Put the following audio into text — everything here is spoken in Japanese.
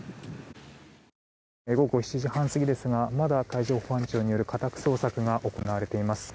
午後７時半過ぎですがまだ海上保安庁による家宅捜索が行われています。